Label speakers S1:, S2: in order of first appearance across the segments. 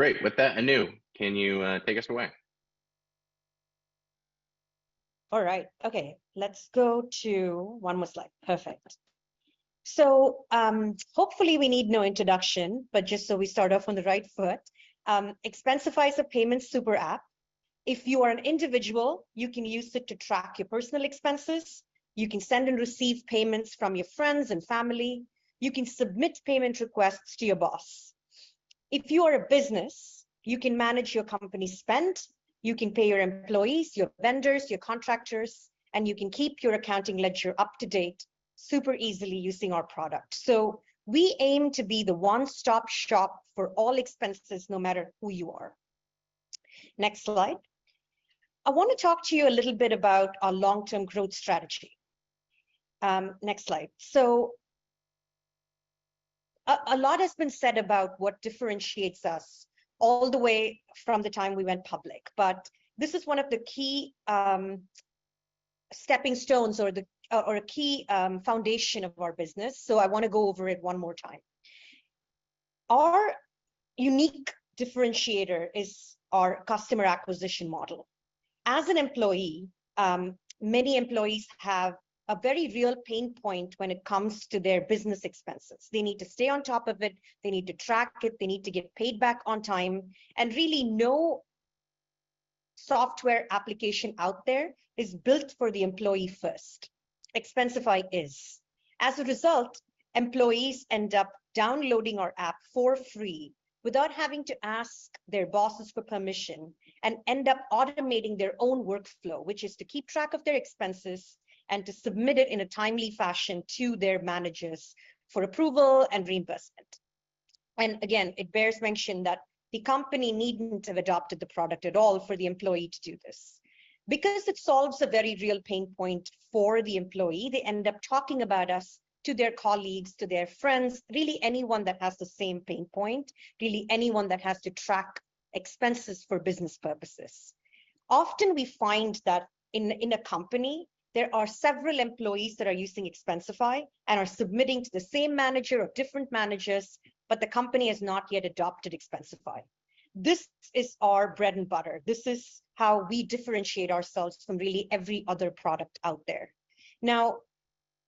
S1: Great! With that, Anu, can you take us away?
S2: All right. Okay, let's go to one more slide. Perfect. Hopefully, we need no introduction, but just so we start off on the right foot, Expensify is a payments superapp. If you are an individual, you can use it to track your personal expenses, you can send and receive payments from your friends and family, you can submit payment requests to your boss. If you are a business, you can manage your company spend, you can pay your employees, your vendors, your contractors, and you can keep your accounting ledger up to date super easily using our product. We aim to be the one-stop shop for all expenses, no matter who you are. Next slide. I want to talk to you a little bit about our long-term growth strategy. Next slide. A, a lot has been said about what differentiates us all the way from the time we went public, but this is one of the key, stepping stones or the or, or a key, foundation of our business, so I want to go over it one more time. Our unique differentiator is our customer acquisition model. As an employee, many employees have a very real pain point when it comes to their business expenses. They need to stay on top of it, they need to track it, they need to get paid back on time, and really, no software application out there is built for the employee first. Expensify is. As a result, employees end up downloading our app for free without having to ask their bosses for permission, and end up automating their own workflow, which is to keep track of their expenses and to submit it in a timely fashion to their managers for approval and reimbursement. Again, it bears mention that the company needn't have adopted the product at all for the employee to do this. Because it solves a very real pain point for the employee, they end up talking about us to their colleagues, to their friends, really anyone that has the same pain point, really anyone that has to track expenses for business purposes. Often, we find that in a company, there are several employees that are using Expensify and are submitting to the same manager or different managers, but the company has not yet adopted Expensify. This is our bread and butter. This is how we differentiate ourselves from really every other product out there. Now,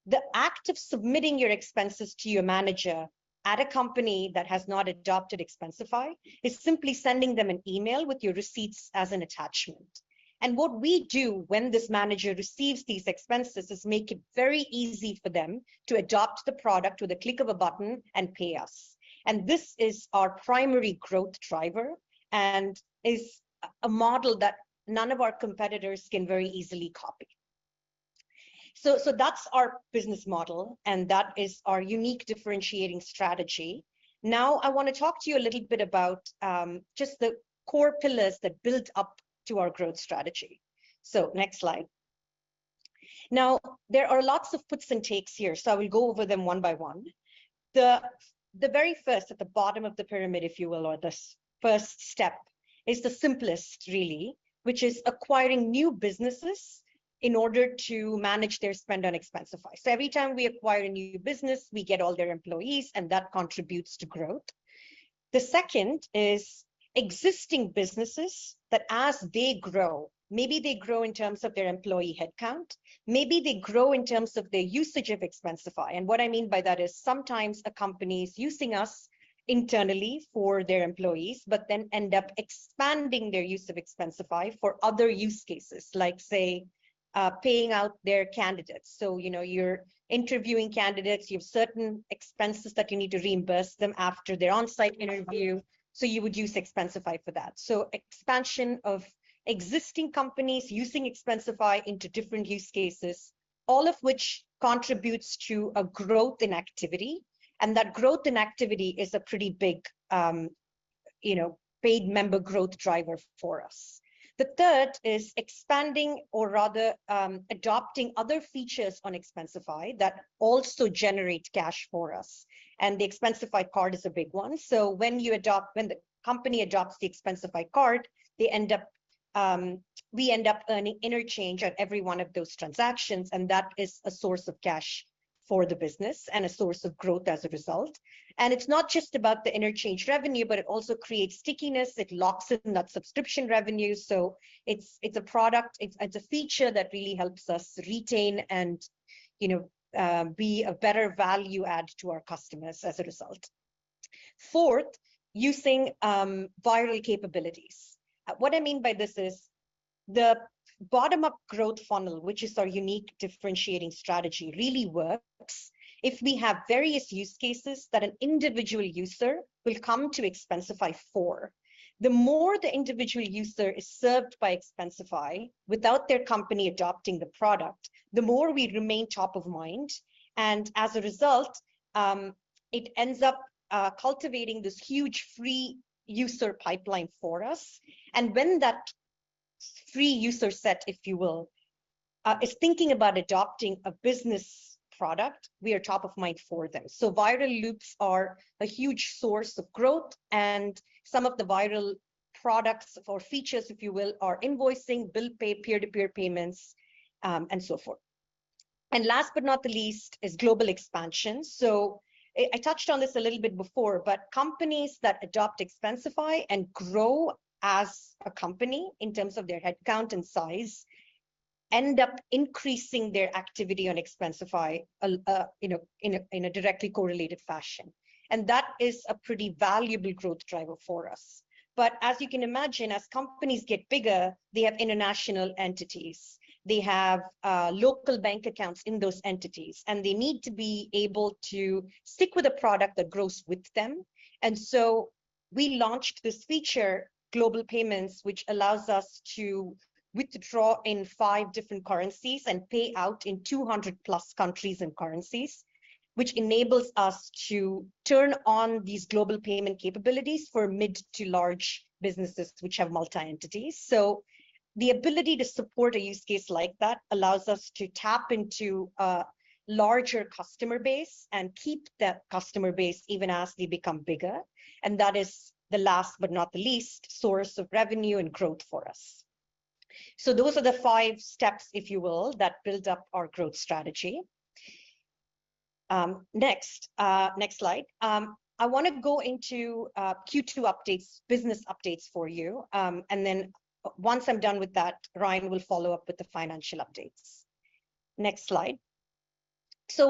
S2: the act of submitting your expenses to your manager at a company that has not adopted Expensify is simply sending them an email with your receipts as an attachment. What we do when this manager receives these expenses is make it very easy for them to adopt the product with a click of a button and pay us. This is our primary growth driver and is a, a model that none of our competitors can very easily copy. That's our business model, and that is our unique differentiating strategy. Now, I want to talk to you a little bit about just the core pillars that build up to our growth strategy. Next slide. There are lots of puts and takes here, so I will go over them one by one. The very first, at the bottom of the pyramid, if you will, or the first step, is the simplest really, which is acquiring new businesses in order to manage their spend on Expensify. Every time we acquire a new business, we get all their employees, and that contributes to growth. The second is existing businesses that, as they grow, maybe they grow in terms of their employee headcount, maybe they grow in terms of their usage of Expensify. What I mean by that is sometimes a company's using us internally for their employees, but then end up expanding their use of Expensify for other use cases, like, say, paying out their candidates. You know, you're interviewing candidates, you have certain expenses that you need to reimburse them after their on-site interview, so you would use Expensify for that. Expansion of existing companies using Expensify into different use cases, all of which contributes to a growth in activity, and that growth in activity is a pretty big, you know, paid member growth driver for us. The third is expanding, or rather, adopting other features on Expensify that also generate cash for us, and the Expensify Card is a big one. When the company adopts the Expensify Card, they end up, we end up earning interchange on every one of those transactions, and that is a source of cash for the business and a source of growth as a result. It's not just about the interchange revenue, but it also creates stickiness. It locks in that subscription revenue. It's, it's a product, it's, it's a feature that really helps us retain and, you know, be a better value add to our customers as a result. Fourth, using, viral capabilities. What I mean by this is the bottom-up growth funnel, which is our unique differentiating strategy, really works if we have various use cases that an individual user will come to Expensify for. The more the individual user is served by Expensify without their company adopting the product, the more we remain top of mind, and as a result, it ends up cultivating this huge free user pipeline for us. When that free user set, if you will, is thinking about adopting a business product, we are top of mind for them. Viral loops are a huge source of growth, and some of the viral products or features, if you will, are invoicing, bill pay, peer-to-peer payments, and so forth. Last but not the least, is global expansion. I, I touched on this a little bit before, companies that adopt Expensify and grow as a company in terms of their headcount and size end up increasing their activity on Expensify a you know, in a directly correlated fashion, and that is a pretty valuable growth driver for us. As you can imagine, as companies get bigger, they have international entities. They have local bank accounts in those entities, and they need to be able to stick with a product that grows with them. We launched this feature, Global Payments, which allows us to withdraw in five different currencies and pay out in +200 countries and currencies, which enables us to turn on these global payment capabilities for mid to large businesses which have multi-entities. The ability to support a use case like that allows us to tap into a larger customer base and keep that customer base even as they become bigger, and that is the last but not the least, source of revenue and growth for us. Those are the five steps, if you will, that build up our growth strategy. Next, next slide. I want to go into Q2 updates, business updates for you, and then once I'm done with that, Ryan will follow up with the financial updates. Next slide.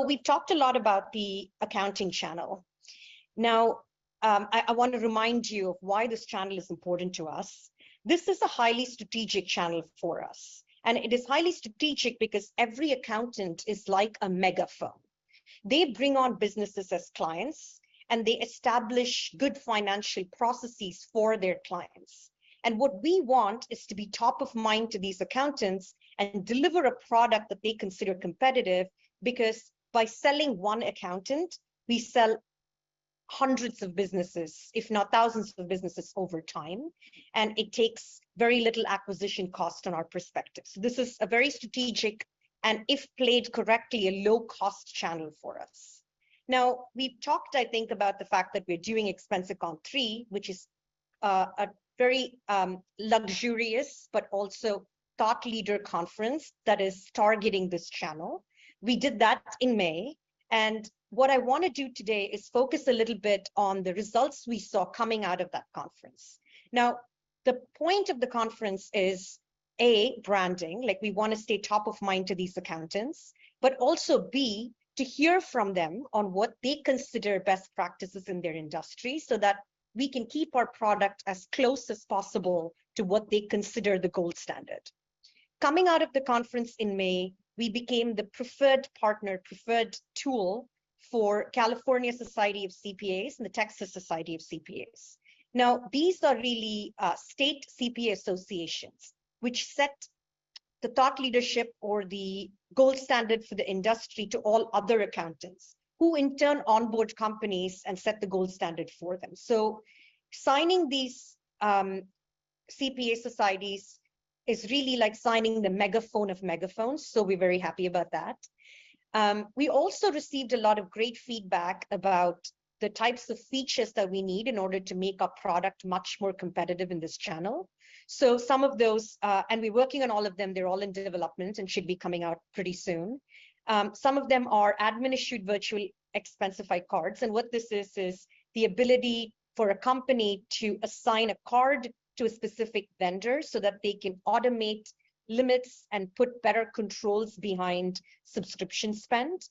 S2: We've talked a lot about the accounting channel. Now, I want to remind you of why this channel is important to us. This is a highly strategic channel for us, and it is highly strategic because every accountant is like a megaphone. They bring on businesses as clients, and they establish good financial processes for their clients, and what we want is to be top of mind to these accountants and deliver a product that they consider competitive. Because by selling one accountant, we sell hundreds of businesses, if not thousands of businesses over time, and it takes very little acquisition cost on our perspective. This is a very strategic, and if played correctly, a low-cost channel for us. Now, we've talked, I think, about the fact that we're doing ExpensiCon 3, which is a very luxurious but also thought leader conference that is targeting this channel. We did that in May, what I want to do today is focus a little bit on the results we saw coming out of that conference. Now, the point of the conference is, A, branding, like, we want to stay top of mind to these accountants, but also, B, to hear from them on what they consider best practices in their industry so that we can keep our product as close as possible to what they consider the gold standard. Coming out of the conference in May, we became the preferred partner, preferred tool for California Society of CPAs and the Texas Society of CPAs. Now, these are really state CPA associations, which set the thought leadership or the gold standard for the industry to all other accountants, who in turn onboard companies and set the gold standard for them. Signing these CPA societies is really like signing the megaphone of megaphones, so we're very happy about that. We also received a lot of great feedback about the types of features that we need in order to make our product much more competitive in this channel. Some of those and we're working on all of them. They're all in development and should be coming out pretty soon. Some of them are admin-issued virtually Expensify Cards, and what this is, is the ability for a company to assign a card to a specific vendor so that they can automate limits and put better controls behind subscription spend.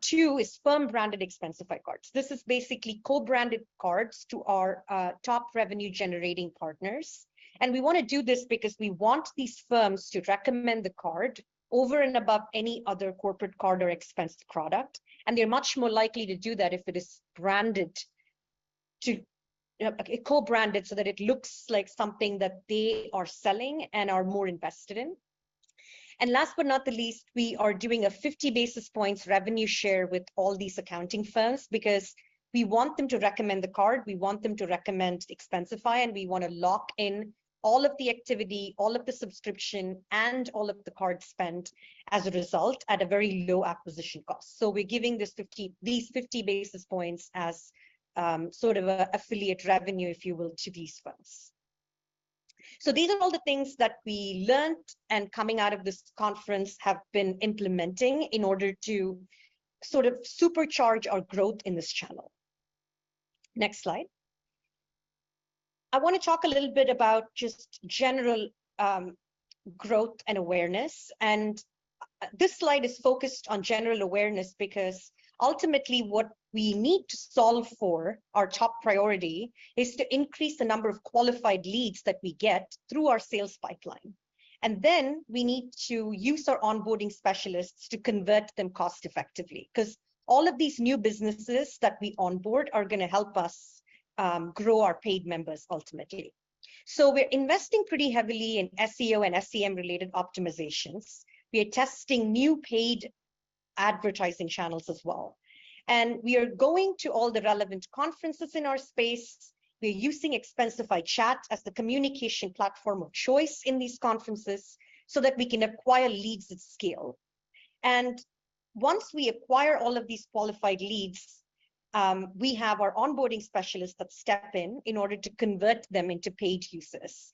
S2: Two is firm-branded Expensify Cards. This is basically co-branded cards to our top revenue-generating partners. We want to do this because we want these firms to recommend the card over and above any other corporate card or expense product. They're much more likely to do that if it is branded to co-branded so that it looks like something that they are selling and are more invested in. Last but not the least, we are doing a 50 basis points revenue share with all these accounting firms because we want them to recommend the card, we want them to recommend Expensify, and we want to lock in all of the activity, all of the subscription, and all of the card spend as a result at a very low acquisition cost. We're giving these 50 basis points as sort of a affiliate revenue, if you will, to these firms. These are all the things that we learned, and coming out of this conference, have been implementing in order to sort of supercharge our growth in this channel. Next slide. I want to talk a little bit about just general growth and awareness, and this slide is focused on general awareness because ultimately, what we need to solve for, our top priority, is to increase the number of qualified leads that we get through our sales pipeline. Then we need to use our onboarding specialists to convert them cost-effectively, because all of these new businesses that we onboard are going to help us grow our paid members ultimately. We're investing pretty heavily in SEO and SEM-related optimizations. We are testing new paid advertising channels as well, and we are going to all the relevant conferences in our space. We're using Expensify Chat as the communication platform of choice in these conferences so that we can acquire leads at scale. Once we acquire all of these qualified leads, we have our onboarding specialists that step in in order to convert them into paid users.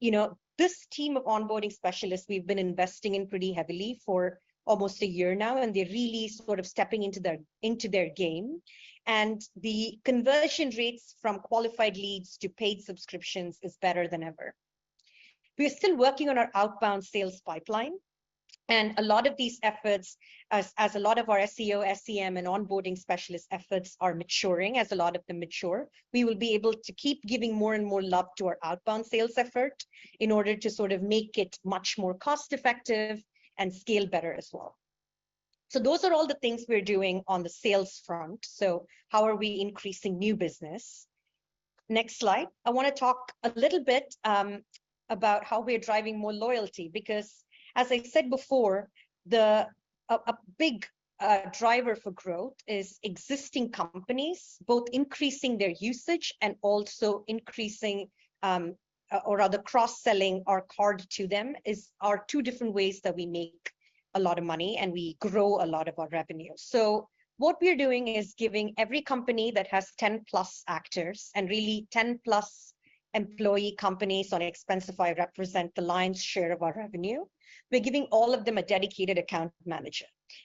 S2: You know, this team of onboarding specialists, we've been investing in pretty heavily for almost a year now, and they're really sort of stepping into their, into their game, and the conversion rates from qualified leads to paid subscriptions is better than ever. We're still working on our outbound sales pipeline. A lot of these efforts as, as a lot of our SEO, SEM, and onboarding specialist efforts are maturing, as a lot of them mature, we will be able to keep giving more and more love to our outbound sales effort in order to sort of make it much more cost-effective and scale better as well. Those are all the things we're doing on the sales front. How are we increasing new business? Next slide. I want to talk a little bit about how we're driving more loyalty, because as I said before, the a big driver for growth is existing companies, both increasing their usage and also increasing, or rather cross-selling our card to them are two different ways that we make a lot of money and we grow a lot of our revenue. What we are doing is giving every company that has +10 actors, and really +10 employee companies on Expensify represent the lion's share of our revenue, we're giving all of them a dedicated account manager.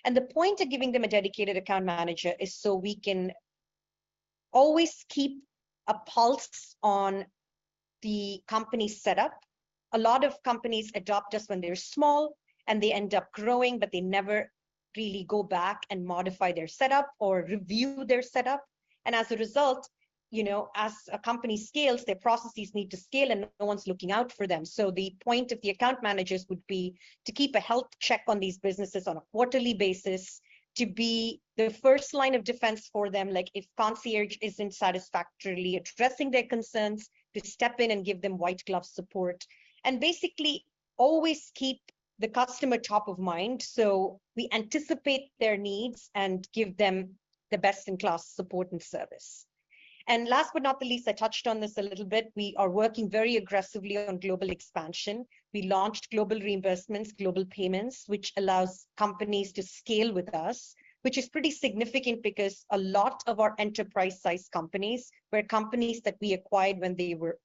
S2: The point of giving them a dedicated account manager is so we can always keep a pulse on the company setup. A lot of companies adopt us when they're small, and they end up growing, but they never really go back and modify their setup or review their setup, and as a result, you know, as a company scales, their processes need to scale, and no one's looking out for them. The point of the account managers would be to keep a health check on these businesses on a quarterly basis, to be the first line of defense for them. Like, if Concierge isn't satisfactorily addressing their concerns, to step in and give them white glove support, and basically always keep the customer top of mind, so we anticipate their needs and give them the best-in-class support and service. Last but not the least, I touched on this a little bit, we are working very aggressively on global expansion. We launched global reimbursements, Global Payments, which allows companies to scale with us, which is pretty significant because a lot of our enterprise-sized companies were companies that we acquired when they were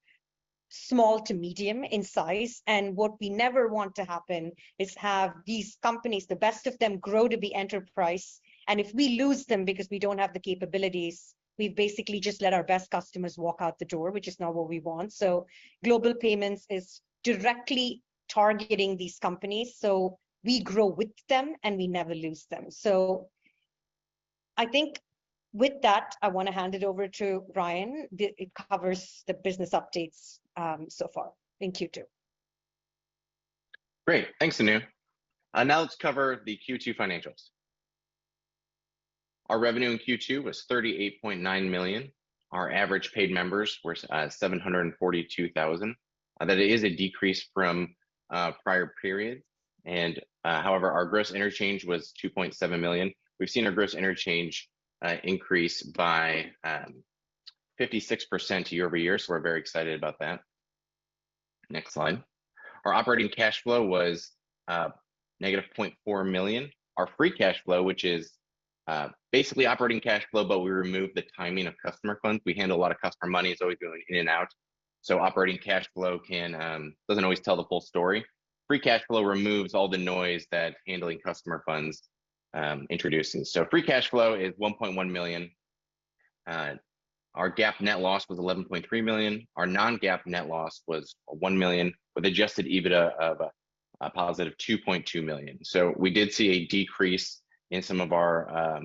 S2: small to medium in size. What we never want to happen is have these companies, the best of them, grow to be enterprise, and if we lose them because we don't have the capabilities, we've basically just let our best customers walk out the door, which is not what we want. Global Payments is directly targeting these companies, so we grow with them, and we never lose them. I think with that, I want to hand it over to Ryan. It covers the business updates so far in Q2.
S1: Great. Thanks, Anu. Now let's cover the Q2 financials. Our revenue in Q2 was $38.9 million. Our average paid members were 742,000. That is a decrease from prior periods. However, our gross interchange was $2.7 million. We've seen our gross interchange increase by 56% year-over-year. We're very excited about that. Next slide. Our operating cash flow was -$0.4 million. Our free cash flow, which is basically operating cash flow, but we remove the timing of customer funds. We handle a lot of customer money, it's always going in and out, so operating cash flow can doesn't always tell the full story. Free cash flow removes all the noise that handling customer funds introduces. Free cash flow is $1.1 million. Our GAAP net loss was $11.3 million. Our non-GAAP net loss was $1 million, with adjusted EBITDA of a positive $2.2 million. We did see a decrease in some of our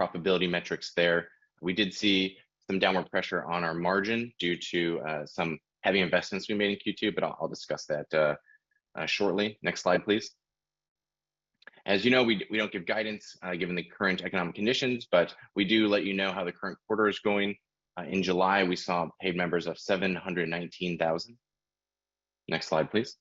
S1: profitability metrics there. We did see some downward pressure on our margin due to some heavy investments we made in Q2, but I'll, I'll discuss that shortly. Next slide, please. As you know, we, we don't give guidance given the current economic conditions, but we do let you know how the current quarter is going. In July, we saw paid members of 719,000. Next slide, please.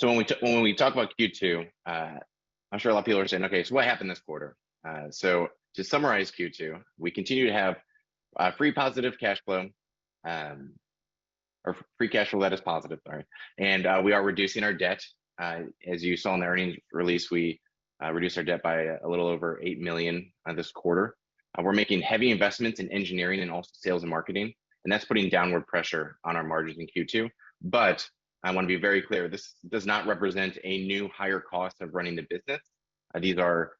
S1: When we talk about Q2, I'm sure a lot of people are saying, "Okay, so what happened this quarter?" To summarize Q2, we continue to have free positive cash flow, or free cash flow that is positive, sorry, and we are reducing our debt. As you saw in the earnings release, we reduced our debt by a little over $8 million this quarter. We're making heavy investments in engineering and also sales and marketing, and that's putting downward pressure on our margins in Q2. I want to be very clear, this does not represent a new higher cost of running the business. These are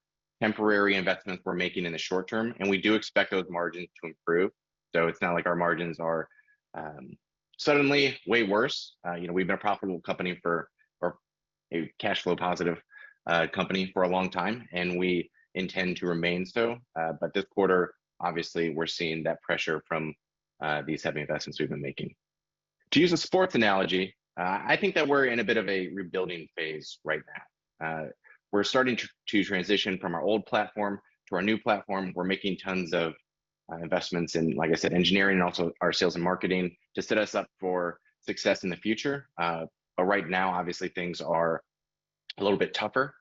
S1: temporary investments we're making in the short term, and we do expect those margins to improve, so it's not like our margins are suddenly way worse. You know, we've been a profitable company for- or a cash flow positive, company for a long time, and we intend to remain so. This quarter, obviously, we're seeing that pressure from these heavy investments we've been making. To use a sports analogy, I think that we're in a bit of a rebuilding phase right now. We're starting to, to transition from our old platform to our new platform. We're making tons of, investments in, like I said, engineering and also our sales and marketing to set us up for success in the future. Right now, obviously, things are a little bit tougher.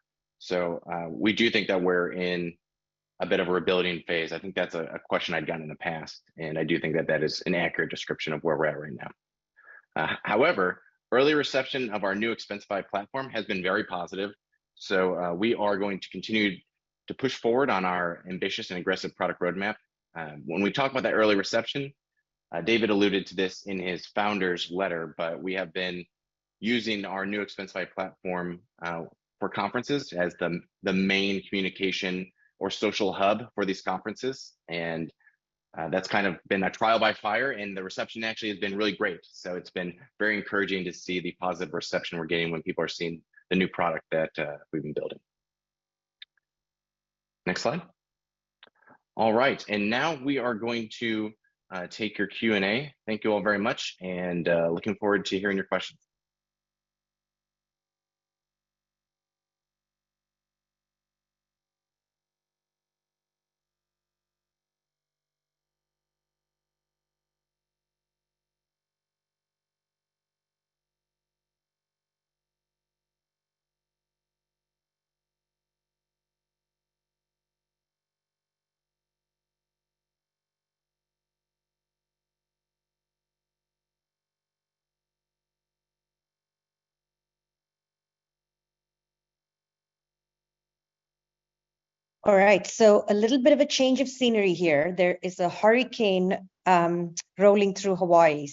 S1: We do think that we're in a bit of a rebuilding phase. I think that's a question I'd gotten in the past. I do think that that is an accurate description of where we're at right now. However, early reception of our new Expensify platform has been very positive, so we are going to continue to push forward on our ambitious and aggressive product roadmap. When we talk about that early reception, David alluded to this in his founder's letter, but we have been using our new Expensify platform, for conferences as the, the main communication or social hub for these conferences. That's kind of been a trial by fire, and the reception actually has been really great. It's been very encouraging to see the positive reception we're getting when people are seeing the new product that we've been building. Next slide. All right, now we are going to take your Q&A. Thank you all very much, and looking forward to hearing your questions.
S2: All right, a little bit of a change of scenery here. There is a hurricane rolling through Hawaii.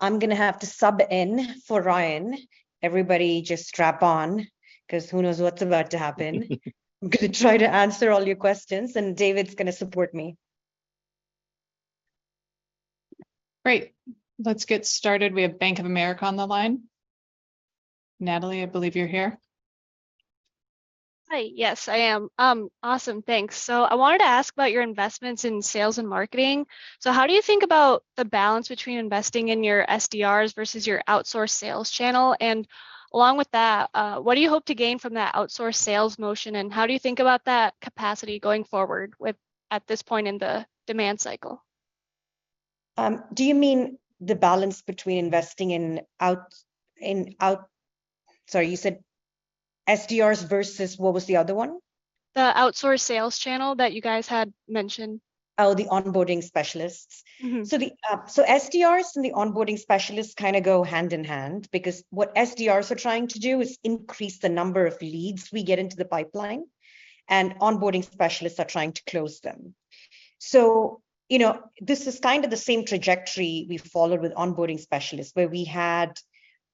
S2: I'm going to have to sub in for Ryan. Everybody just strap on, 'cause who knows what's about to happen? I'm going to try to answer all your questions. David's going to support me.
S3: Great. Let's get started. We have Bank of America on the line. Natalie, I believe you're here.
S4: Hi. Yes, I am. Awesome, thanks. I wanted to ask about your investments in sales and marketing. How do you think about the balance between investing in your SDRs versus your outsourced sales channel? Along with that, what do you hope to gain from that outsourced sales motion, and how do you think about that capacity going forward at this point in the demand cycle?
S2: Do you mean the balance between investing in out, in out Sorry, you said SDRs versus, what was the other one?
S4: The outsourced sales channel that you guys had mentioned.
S2: Oh, the onboarding specialists. The SDRs and the onboarding specialists kind of go hand in hand, because what SDRs are trying to do is increase the number of leads we get into the pipeline, and onboarding specialists are trying to close them. You know, this is kind of the same trajectory we followed with onboarding specialists, where we had,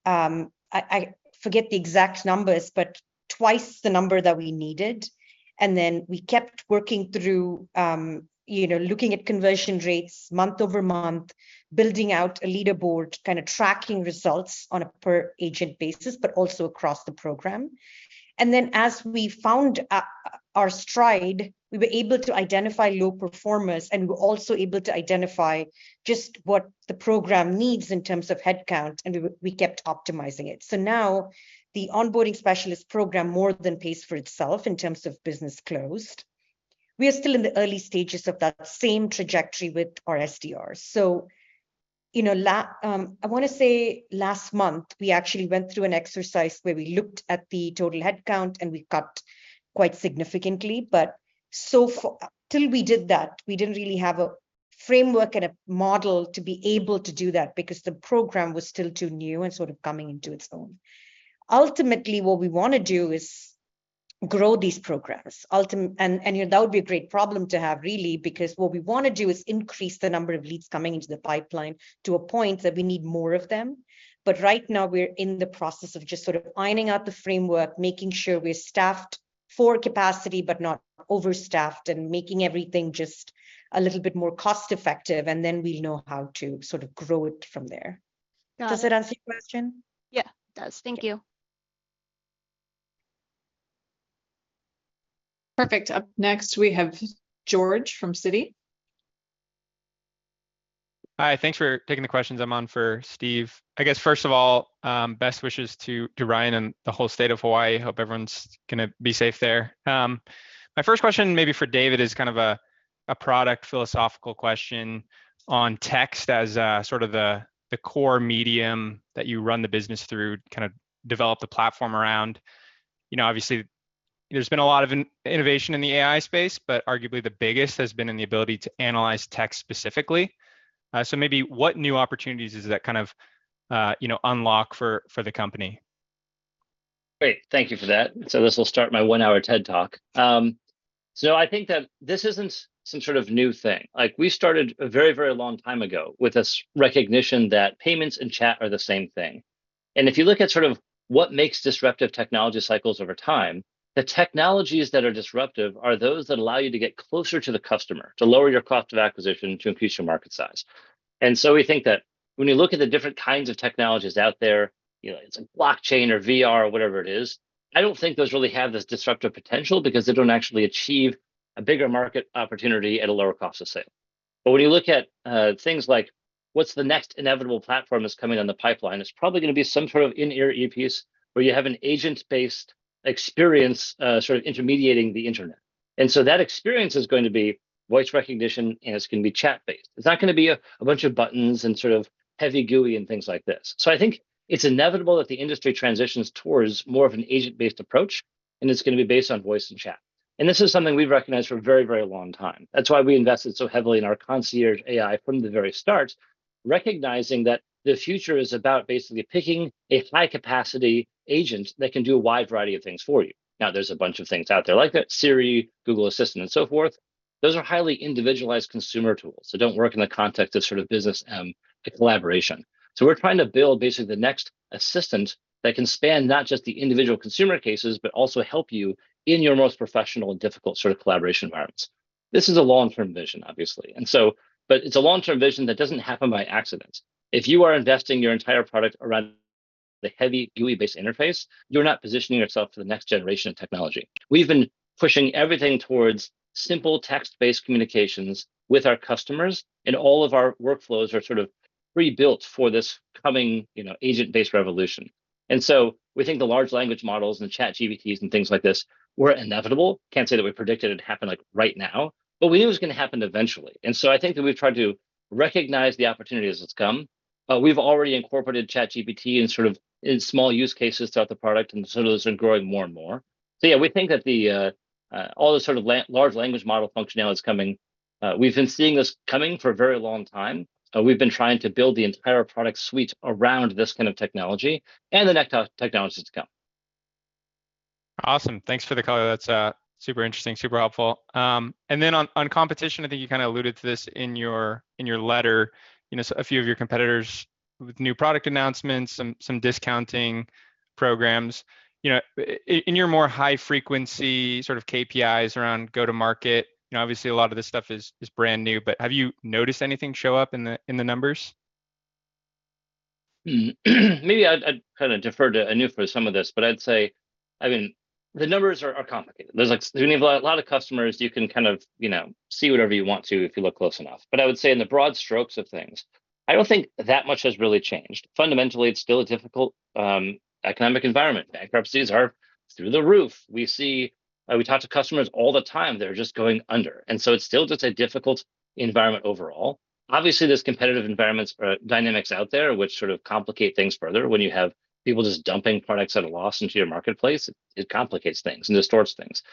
S2: I, I forget the exact numbers, but twice the number that we needed, and then we kept working through, you know, looking at conversion rates month-over-month, building out a leaderboard, kind of tracking results on a per-agent basis, but also across the program. As we found our stride, we were able to identify low performers, and we were also able to identify just what the program needs in terms of headcount, and we kept optimizing it. Now the onboarding specialist program more than pays for itself in terms of business closed. We are still in the early stages of that same trajectory with our SDRs. You know, I want to say last month, we actually went through an exercise where we looked at the total headcount, and we cut quite significantly, but until we did that, we didn't really have a framework and a model to be able to do that, because the program was still too new and sort of coming into its own. Ultimately, what we want to do is grow these programs. You know, that would be a great problem to have, really, because what we want to do is increase the number of leads coming into the pipeline to a point that we need more of them. Right now, we're in the process of just sort of ironing out the framework, making sure we're staffed for capacity, but not overstaffed, and making everything just a little bit more cost-effective, and then we know how to sort of grow it from there.
S4: Got you.
S2: Does that answer your question?
S4: Yeah, it does.
S2: Yeah.
S4: Thank you.
S3: Perfect. Up next, we have George from Citi.
S4: Hi, thanks for taking the questions. I'm on for Steve. I guess, first of all, best wishes to, to Ryan and the whole state of Hawaii. Hope everyone's going to be safe there. My first question maybe for David is kind of a, a product philosophical question on text as, sort of the, the core medium that you run the business through, kind of develop the platform around. You know, obviously, there's been a lot of innovation in the AI space, but arguably the biggest has been in the ability to analyze text specifically. So maybe what new opportunities does that kind of, you know, unlock for, for the company?
S5: Great, thank you for that. This will start my one-hour TED Talk. I think that this isn't some sort of new thing. Like, we started a very, very long time ago with this recognition that payments and chat are the same thing, and if you look at sort of what makes disruptive technology cycles over time, the technologies that are disruptive are those that allow you to get closer to the customer, to lower your cost of acquisition, to increase your market size. We think that when you look at the different kinds of technologies out there, you know, it's like blockchain or VR, whatever it is, I don't think those really have this disruptive potential, because they don't actually achieve a bigger market opportunity at a lower cost of sale.
S1: When you look at, things like what's the next inevitable platform that's coming down the pipeline, it's probably going to be some sort of in-ear earpiece, where you have an agent-based experience, sort of intermediating the internet. So that experience is going to be voice recognition, and it's going to be chat-based. It's not going to be a, a bunch of buttons and sort of heavy GUI and things like this. I think it's inevitable that the industry transitions towards more of an agent-based approach, and it's going to be based on voice and chat. This is something we've recognized for a very, very long time. That's why we invested so heavily in our Concierge AI from the very start, recognizing that the future is about basically picking a high-capacity agent that can do a wide variety of things for you. Now, there's a bunch of things out there, like the Siri, Google Assistant, and so forth. Those are highly individualized consumer tools, so don't work in the context of sort of business and collaboration. We're trying to build basically the next assistant that can span not just the individual consumer cases, but also help you in your most professional and difficult sort of collaboration environments. This is a long-term vision, obviously, but it's a long-term vision that doesn't happen by accident. If you are investing your entire product around the heavy GUI-based interface, you're not positioning yourself for the next generation of technology. We've been pushing everything towards simple, text-based communications with our customers, and all of our workflows are sort of pre-built for this coming, you know, agent-based revolution. So we think the large language models and the ChatGPTs, and things like this, were inevitable. Can't say that we predicted it'd happen, like, right now, but we knew it was going to happen eventually. I think that we've tried to recognize the opportunity as it's come. We've already incorporated ChatGPT in sort of, in small use cases throughout the product, and so those are growing more and more. Yeah, we think that the all the sort of large language model functionality is coming. We've been seeing this coming for a very long time, and we've been trying to build the entire product suite around this kind of technology and the next technologies to come.
S4: Awesome. Thanks for the color. That's super interesting, super helpful. On, on competition, I think you kinda alluded to this in your, in your letter. You know, so a few of your competitors with new product announcements, some, some discounting programs, you know, in your more high-frequency sort of KPIs around go-to-market, you know, obviously a lot of this stuff is, is brand new, but have you noticed anything show up in the, in the numbers?
S5: Maybe I'd, I'd kinda defer to Anu for some of this, I'd say, I mean, the numbers are, are complicated. There's, like, when you have a lot of customers, you can kind of, you know, see whatever you want to if you look close enough. I would say in the broad strokes of things, I don't think that much has really changed. Fundamentally, it's still a difficult economic environment. Bankruptcies are through the roof. We see, we talk to customers all the time, they're just going under, so it's still just a difficult environment overall. Obviously, there's competitive environments, dynamics out there which sort of complicate things further. When you have people just dumping products at a loss into your marketplace, it complicates things and distorts things,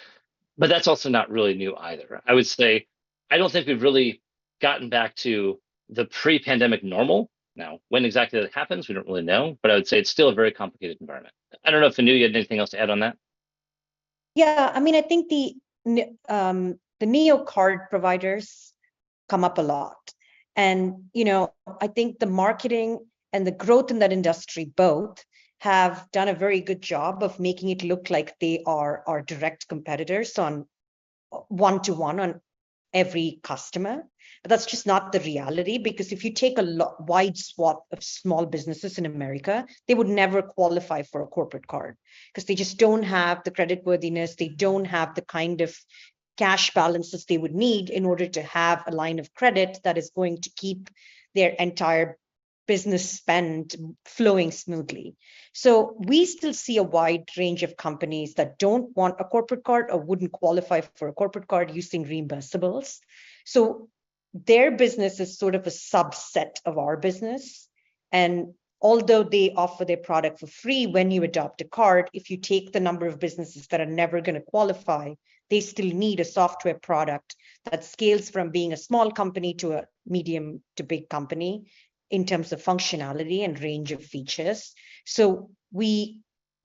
S5: that's also not really new either.
S1: I would say, I don't think we've really gotten back to the pre-pandemic normal. Now, when exactly that happens, we don't really know, but I would say it's still a very complicated environment. I don't know if, Anu, you had anything else to add on that.
S2: Yeah. I mean, I think the neo-card providers come up a lot and, you know, I think the marketing and the growth in that industry both have done a very good job of making it look like they are our direct competitors on one-to-one on every customer. That's just not the reality, because if you take a wide swath of small businesses in America, they would never qualify for a corporate card, 'cause they just don't have the creditworthiness, they don't have the kind of cash balances they would need in order to have a line of credit that is going to keep their entire business spend flowing smoothly. We still see a wide range of companies that don't want a corporate card or wouldn't qualify for a corporate card using reimbursables. Their business is sort of a subset of our business, and although they offer their product for free when you adopt a card, if you take the number of businesses that are never going to qualify, they still need a software product that scales from being a small company to a medium to big company in terms of functionality and range of features. We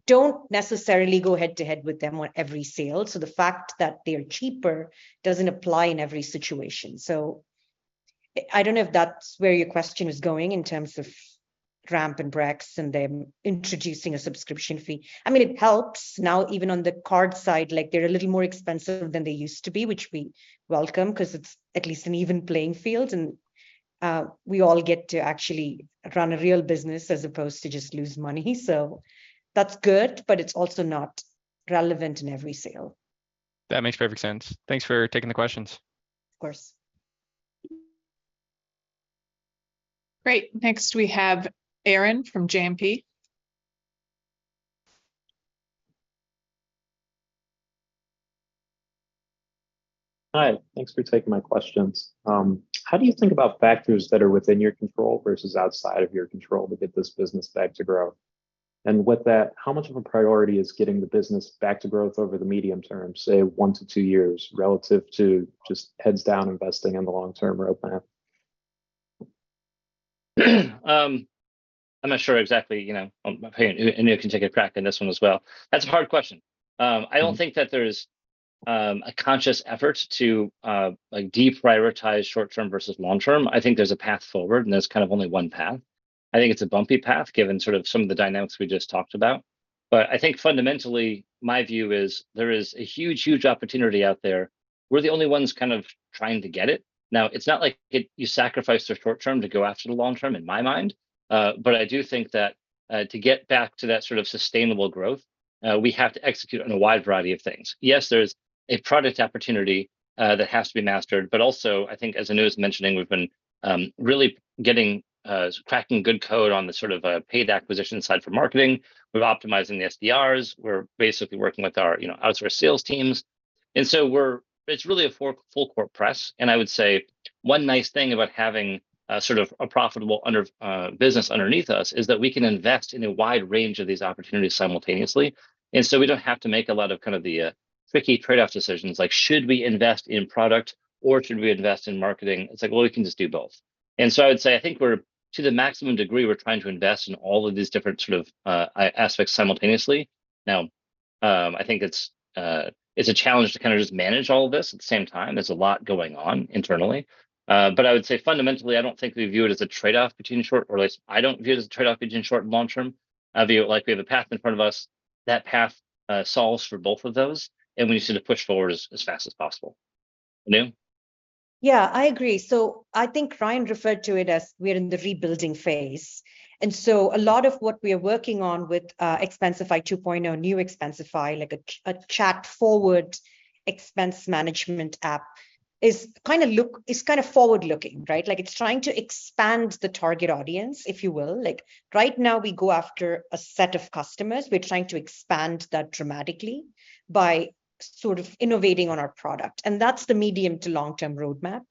S2: don't necessarily go head-to-head with them on every sale, so the fact that they are cheaper doesn't apply in every situation. I, I don't know if that's where your question is going in terms of Ramp and Brex, and them introducing a subscription fee. I mean, it helps. Even on the card side, like, they're a little more expensive than they used to be, which we welcome, 'cause it's at least an even playing field, and we all get to actually run a real business as opposed to just lose money. That's good, but it's also not relevant in every sale.
S4: That makes perfect sense. Thanks for taking the questions.
S2: Of course.
S3: Great. Next, we have Aaron from JMP.
S6: Hi, thanks for taking my questions. How do you think about factors that are within your control versus outside of your control to get this business back to growth? With that, how much of a priority is getting the business back to growth over the medium term, say, one to two years, relative to just heads down investing in the long-term roadmap?
S5: I'm not sure exactly, you know, Anu can take a crack on this one as well. That's a hard question. I don't think that there's a conscious effort to, like, deprioritize short term versus long term. I think there's a path forward, and there's kind of only one path. I think it's a bumpy path, given sort of some of the dynamics we just talked about. I think fundamentally, my view is there is a huge, huge opportunity out there. We're the only ones kind of trying to get it. Now, it's not like you sacrifice the short term to go after the long term, in my mind, but I do think that to get back to that sort of sustainable growth, we have to execute on a wide variety of things.
S1: Yes, there's a product opportunity that has to be mastered, but also, I think as Anu was mentioning, we've been really getting cracking good code on the sort of paid acquisition side for marketing. We're optimizing the SDRs, we're basically working with our, you know, outsource sales teams, and so we're- it's really a full, full-court press, and I would say- One nice thing about having a sort of a profitable business underneath us, is that we can invest in a wide range of these opportunities simultaneously. So we don't have to make a lot of, kind of, the tricky trade-off decisions, like should we invest in product or should we invest in marketing? It's like, well, we can just do both. I would say I think we're, to the maximum degree, we're trying to invest in all of these different sort of aspects simultaneously. Now, I think it's a challenge to kind of just manage all of this at the same time. There's a lot going on internally. I would say fundamentally, I don't think we view it as a trade-off between short or like, I don't view it as a trade-off between short and long term. I view it like we have a path in front of us. That path solves for both of those, and we just need to push forward as fast as possible. Anu?
S2: Yeah, I agree. I think Ryan referred to it as we are in the rebuilding phase, and so a lot of what we are working on with Expensify 2.0, New Expensify, like a chat forward expense management app, is kind of forward-looking, right? Like it's trying to expand the target audience, if you will. Like, right now we go after a set of customers. We're trying to expand that dramatically by sort of innovating on our product, and that's the medium to long-term roadmap.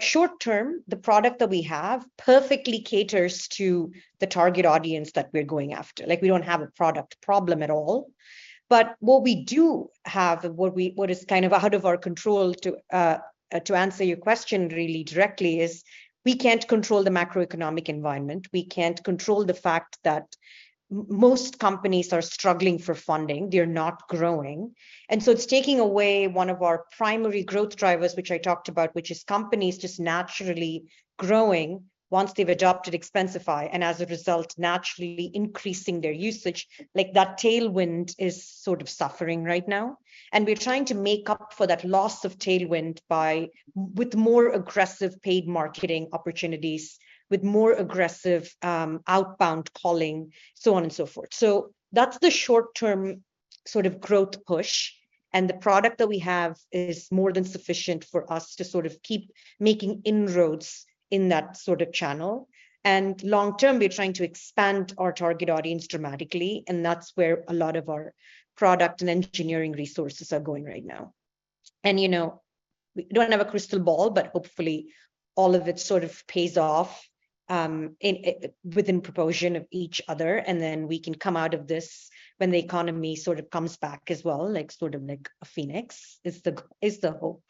S2: Short term, the product that we have perfectly caters to the target audience that we're going after. Like, we don't have a product problem at all, but what we do have and what is kind of out of our control, to answer your question really directly, is we can't control the macroeconomic environment. We can't control the fact that most companies are struggling for funding. They're not growing, and so it's taking away one of our primary growth drivers, which I talked about, which is companies just naturally growing once they've adopted Expensify, and as a result, naturally increasing their usage. Like, that tailwind is sort of suffering right now, and we're trying to make up for that loss of tailwind by, with more aggressive paid marketing opportunities, with more aggressive, outbound calling, so on and so forth. That's the short-term sort of growth push, and the product that we have is more than sufficient for us to sort of keep making inroads in that sort of channel. Long term, we're trying to expand our target audience dramatically, and that's where a lot of our product and engineering resources are going right now. You know, we don't have a crystal ball, but hopefully all of it sort of pays off, in, within proportion of each other, and then we can come out of this when the economy sort of comes back as well, like sort of like a phoenix, is the hope.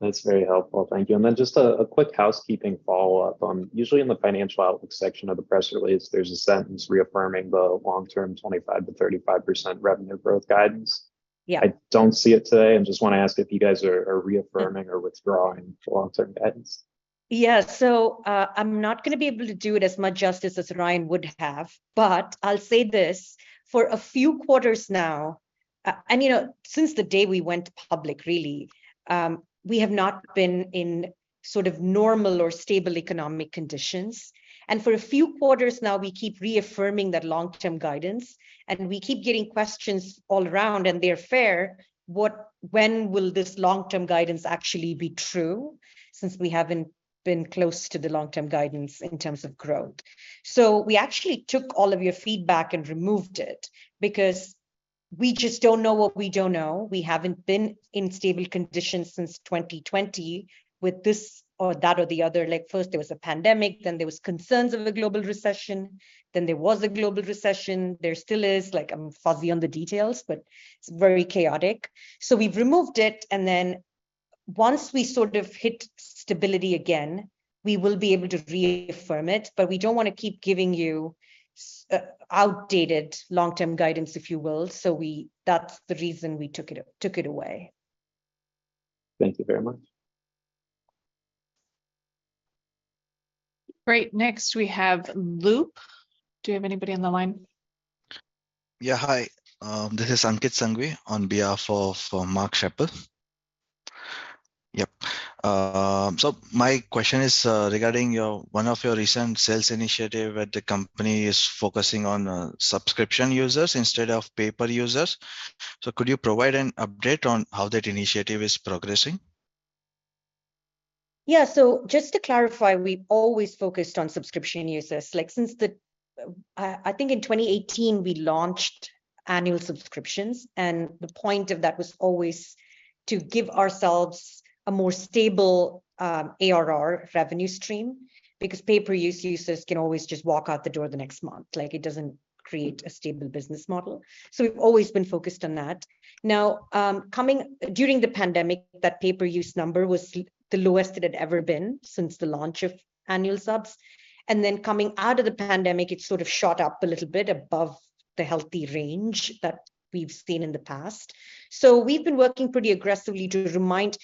S6: That's very helpful, thank you. Just a quick housekeeping follow-up. Usually in the financial outlook section of the press release, there's a sentence reaffirming the long-term 25%-35% revenue growth guidance.
S2: Yeah.
S6: I don't see it today, and just want to ask if you guys are, are reaffirming-
S2: Yeah
S6: or withdrawing the long-term guidance?
S2: Yeah. I'm not going to be able to do it as much justice as Ryan would have, but I'll say this: for a few quarters now, you know, since the day we went public, really, we have not been in sort of normal or stable economic conditions. For a few quarters now, we keep reaffirming that long-term guidance, we keep getting questions all around, they're fair: "What... When will this long-term guidance actually be true?" since we haven't been close to the long-term guidance in terms of growth. We actually took all of your feedback and removed it, because we just don't know what we don't know. We haven't been in stable conditions since 2020, with this or that or the other. Like, first there was a pandemic, then there was concerns of a global recession, then there was a global recession. There still is. Like, I'm fuzzy on the details, but it's very chaotic. We've removed it, and then once we sort of hit stability again, we will be able to reaffirm it. We don't want to keep giving you outdated long-term guidance, if you will. That's the reason we took it away.
S6: Thank you very much.
S3: Great. Next we have Loop. Do you have anybody on the line?
S7: Yeah, hi. This is Ankit Sanghvi on behalf of, for Mark Schappel. Yep. My question is regarding your, one of your recent sales initiative where the company is focusing on subscription users instead of pay-per users. Could you provide an update on how that initiative is progressing?
S2: Yeah. Just to clarify, we've always focused on subscription users. Like, since the... I, I think in 2018, we launched annual subscriptions, and the point of that was always to give ourselves a more stable ARR revenue stream, because pay-per use users can always just walk out the door the next month. Like, it doesn't create a stable business model. We've always been focused on that. Now, coming... During the pandemic, that pay-per use number was the lowest it had ever been since the launch of annual subs, and then coming out of the pandemic, it sort of shot up a little bit above the healthy range that we've seen in the past. We've been working pretty aggressively to remind...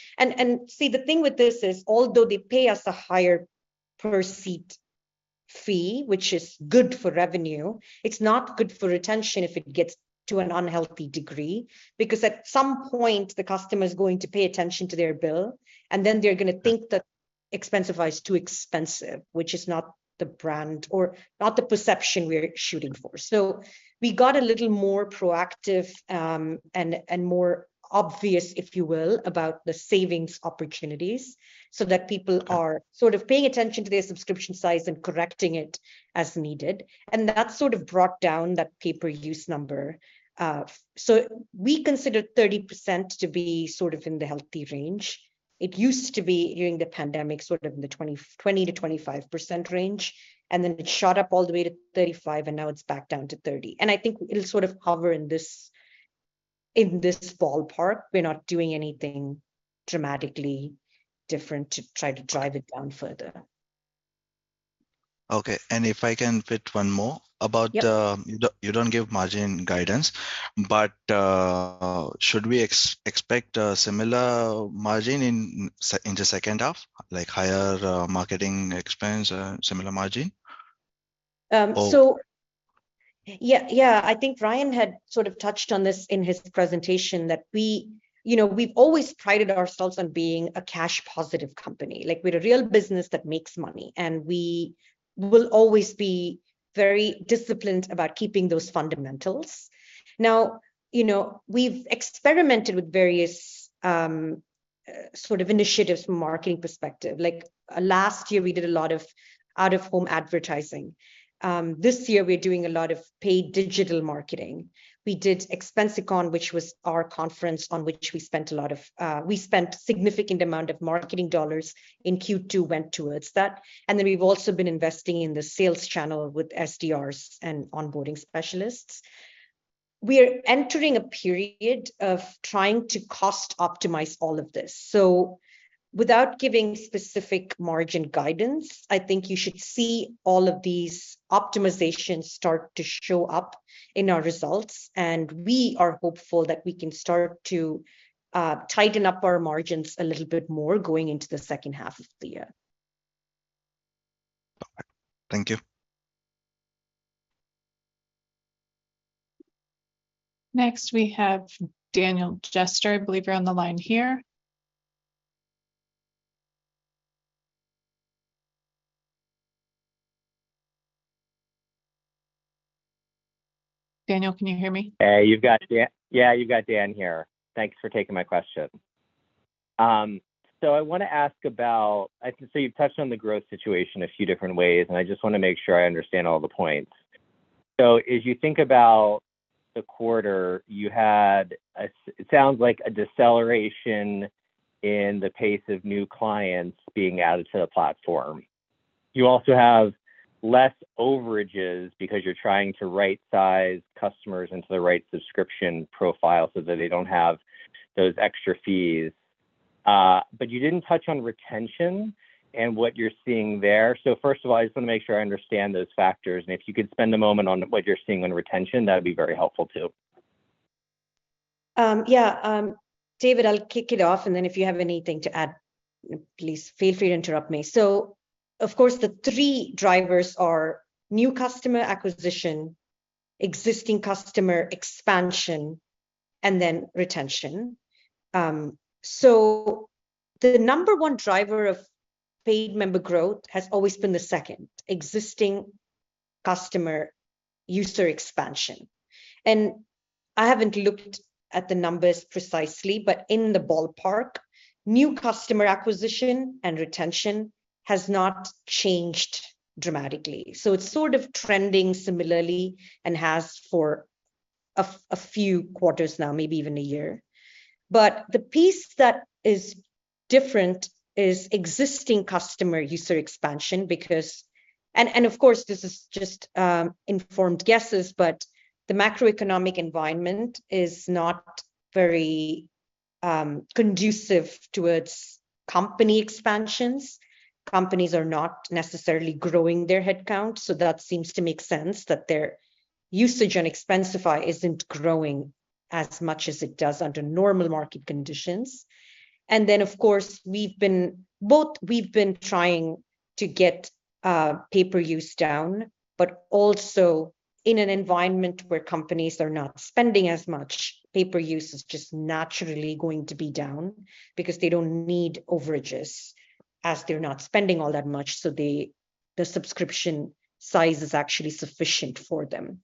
S2: See, the thing with this is, although they pay us a higher per seat fee, which is good for revenue, it's not good for retention if it gets to an unhealthy degree. At some point, the customer is going to pay attention to their bill, and then they're going to think that Expensify is too expensive, which is not the brand or not the perception we're shooting for. We got a little more proactive, and, and more obvious, if you will, about the savings opportunities, so that people are sort of paying attention to their subscription size and correcting it as needed. That sort of brought down that pay-per use number. So we consider 30% to be sort of in the healthy range. It used to be, during the pandemic, sort of in the 20%-25% range, then it shot up all the way to 35%, and now it's back down to 30%. I think it'll sort of hover in this ballpark, we're not doing anything dramatically different to try to drive it down further.
S7: Okay, if I can fit one more about-
S2: Yep.
S7: The, you don't give margin guidance, but, should we expect a similar margin in the second half, like higher, marketing expense, similar margin?
S2: Um, so-
S7: Or-
S2: Yeah, yeah, I think Ryan had sort of touched on this in his presentation, that we, you know, we've always prided ourselves on being a cash-positive company. Like, we're a real business that makes money, and we will always be very disciplined about keeping those fundamentals. Now, you know, we've experimented with various, sort of initiatives from a marketing perspective. Like, last year we did a lot of out-of-home advertising. This year we're doing a lot of paid digital marketing. We did ExpensiCon, which was our conference, we spent significant amount of marketing dollars in Q2 towards that. Then we've also been investing in the sales channel with SDRs and onboarding specialists. We're entering a period of trying to cost-optimize all of this. without giving specific margin guidance, I think you should see all of these optimizations start to show up in our results, and we are hopeful that we can start to tighten up our margins a little bit more going into the second half of the year.
S7: Thank you.
S3: Next, we have Daniel Jester. I believe you're on the line here. Daniel, can you hear me?
S8: Yeah, you've got Dan here. Thanks for taking my question. You've touched on the growth situation a few different ways, and I just want to make sure I understand all the points. As you think about the quarter, you had a it sounds like a deceleration in the pace of new clients being added to the platform. You also have less overages because you're trying to right-size customers into the right subscription profile so that they don't have those extra fees. You didn't touch on retention and what you're seeing there. First of all, I just want to make sure I understand those factors, and if you could spend a moment on what you're seeing on retention, that would be very helpful, too.
S2: Yeah, David, I'll kick it off, and then if you have anything to add, please feel free to interrupt me. Of course, the three drivers are new customer acquisition, existing customer expansion, and then retention. The number one driver of paid member growth has always been the second, existing customer user expansion. I haven't looked at the numbers precisely, but in the ballpark, new customer acquisition and retention has not changed dramatically. It's sort of trending similarly and has for a few quarters now, maybe even a year. The piece that is different is existing customer user expansion because... Of course, this is just informed guesses, but the macroeconomic environment is not very conducive towards company expansions. Companies are not necessarily growing their headcount, so that seems to make sense, that their usage on Expensify isn't growing as much as it does under normal market conditions. Then, of course, we've been, both we've been trying to get paper use down, but also in an environment where companies are not spending as much, paper use is just naturally going to be down because they don't need overages, as they're not spending all that much, so the, the subscription size is actually sufficient for them.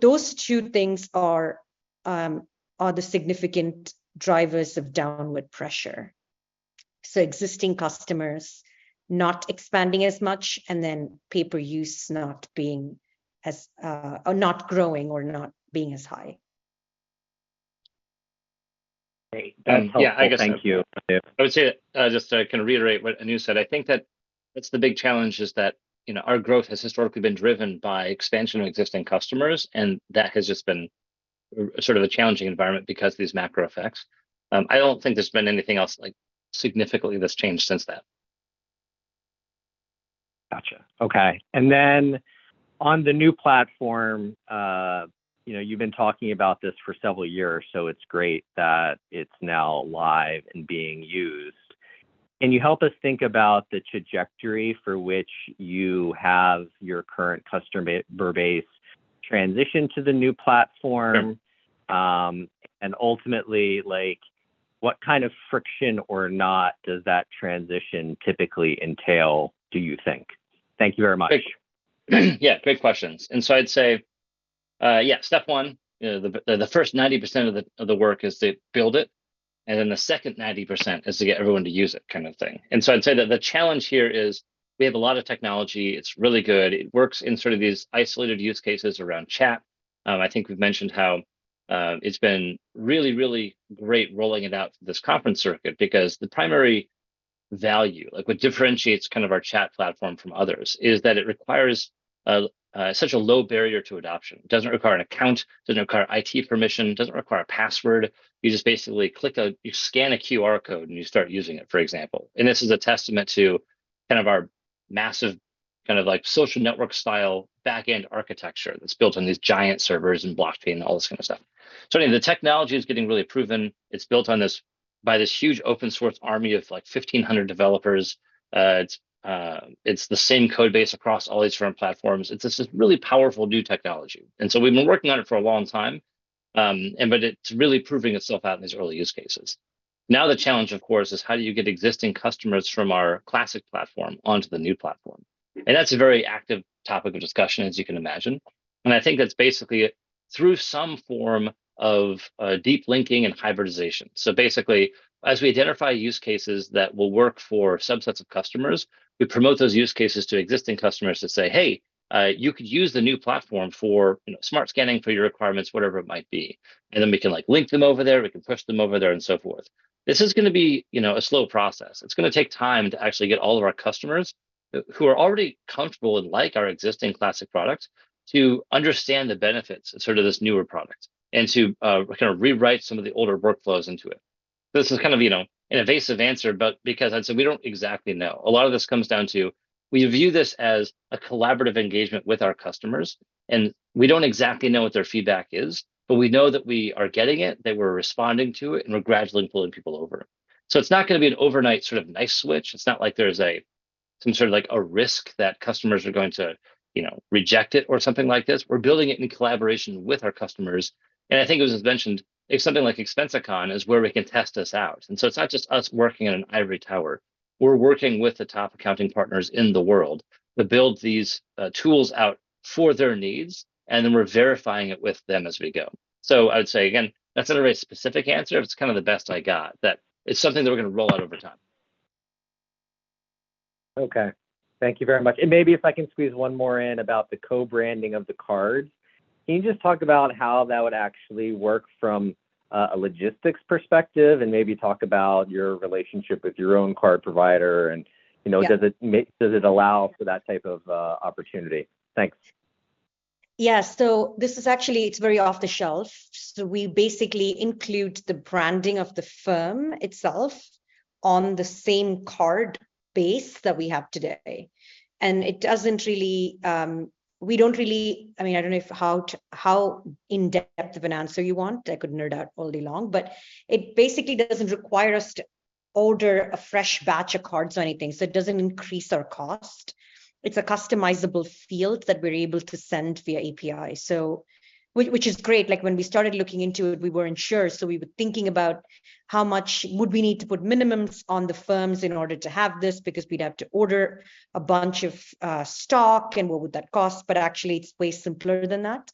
S2: Those two things are the significant drivers of downward pressure. Existing customers not expanding as much, and then paper use not being as, or not growing or not being as high.
S8: Great.
S5: Yeah.
S8: Thank you.
S1: I would say, just to kind of reiterate what Anu said, I think that that's the big challenge, is that, you know, our growth has historically been driven by expansion of existing customers, and that has just been sort of a challenging environment because of these macro effects. I don't think there's been anything else, like, significantly that's changed since that.
S8: Gotcha, okay. Then on the new platform, you know, you've been talking about this for several years, so it's great that it's now live and being used. Can you help us think about the trajectory for which you have your current customer base transition to the new platform?
S1: Sure.
S8: Ultimately, like, what kind of friction or not does that transition typically entail, do you think? Thank you very much.
S1: Great. Yeah, great questions. I'd say, yeah, step one, the first 90% of the work is to build it, and then the second 90% is to get everyone to use it, kind of thing. I'd say that the challenge here is we have a lot of technology. It's really good. It works in sort of these isolated use cases around chat. I think we've mentioned how it's been really, really great rolling it out for this conference circuit, because the primary value, like what differentiates kind of our chat platform from others, is that it requires such a low barrier to adoption. It doesn't require an account, doesn't require IT permission, doesn't require a password. You just basically scan a QR code, and you start using it, for example. This is a testament to kind of our massive kind of like social network style back-end architecture that's built on these giant servers and blockchain, and all this kind of stuff. Anyway, the technology is getting really proven. It's built on this, by this huge open source army of, like, 1,500 developers. It's, it's the same code base across all these different platforms. It's this, this really powerful new technology, and so we've been working on it for a long time, and but it's really proving itself out in these early use cases. Now, the challenge, of course, is how do you get existing customers from our classic platform onto the new platform?
S8: Mm.
S1: That's a very active topic of discussion, as you can imagine, and I think that's basically through some form of deep linking and hybridization. Basically, as we identify use cases that will work for subsets of customers, we promote those use cases to existing customers to say, "Hey, you could use the new platform for, you know, SmartScan for your requirements," whatever it might be. Then we can, like, link them over there, we can push them over there, and so forth. This is going to be, you know, a slow process. It's going to take time to actually get all of our customers who are already comfortable and like our existing classic products, to understand the benefits of sort of this newer product and to kind of rewrite some of the older workflows into it. This is kind of, you know, an evasive answer, but because I'd say we don't exactly know. A lot of this comes down to we view this as a collaborative engagement with our customers. We don't exactly know what their feedback is, but we know that we are getting it, that we're responding to it, and we're gradually pulling people over. It's not going to be an overnight sort of nice switch. It's not like there's some sort of, like, a risk that customers are going to, you know, reject it or something like this. We're building it in collaboration with our customers. I think it was just mentioned, like, something like ExpensiCon is where we can test this out, and so it's not just us working in an ivory tower. We're working with the top accounting partners in the world to build these tools out for their needs, and then we're verifying it with them as we go. I would say, again, that's not a very specific answer, but it's kind of the best I got, that it's something that we're going to roll out over time.
S8: Okay, thank you very much. Maybe if I can squeeze one more in about the co-branding of the card. Can you just talk about how that would actually work from a, a logistics perspective, and maybe talk about your relationship with your own card provider and, you know?
S2: Yeah...
S8: does it make, does it allow for that type of opportunity? Thanks.
S2: Yeah, this is actually, it's very off the shelf. We basically include the branding of the firm itself on the same card base that we have today, and it doesn't really... We don't really- I mean, I don't know how to, how in-depth of an answer you want. I could nerd out all day long, but it basically doesn't require us to order a fresh batch of cards or anything, so it doesn't increase our cost. It's a customizable field that we're able to send via API, so which, which is great. Like, when we started looking into it, we weren't sure, so we were thinking about how much would we need to put minimums on the firms in order to have this because we'd have to order a bunch of stock, and what would that cost? Actually, it's way simpler than that.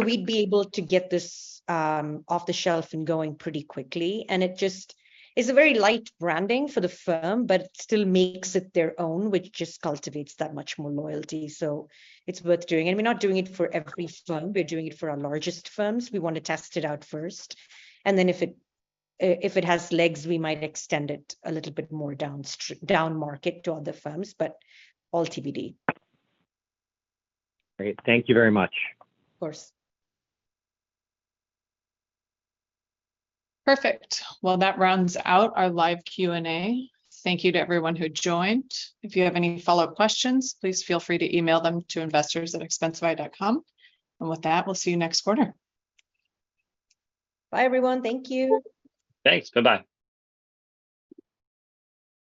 S2: We'd be able to get this off the shelf and going pretty quickly, it just, it's a very light branding for the firm, but it still makes it their own, which just cultivates that much more loyalty. It's worth doing, and we're not doing it for every firm. We're doing it for our largest firms. We want to test it out first, and then if it, if it has legs, we might extend it a little bit more downstream- downmarket to other firms, but all TBD.
S8: Great. Thank you very much.
S2: Of course.
S3: Perfect. Well, that rounds out our live Q&A. Thank you to everyone who joined. If you have any follow-up questions, please feel free to email them to investors@expensify.com. With that, we'll see you next quarter.
S2: Bye, everyone. Thank you.
S1: Thanks. Bye-bye.